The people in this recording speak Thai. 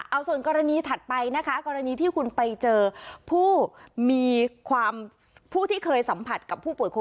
เอาส่วนกรณีถัดไปนะคะ